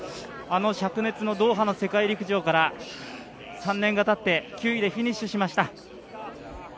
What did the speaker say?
あのしゃく熱のドーハの世界陸上から３年がたって９位でフィニッシュしました。